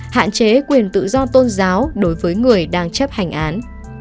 hạn chế quyền tự do tôn giáo đối với người đang chấp hành án